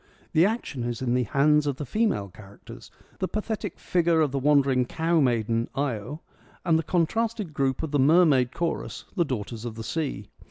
The action is in the hands of the female characters, the pathetic figure of the wandering cow maiden, Io, and the contrasted group of the mermaid chorus, the daughters of the sea.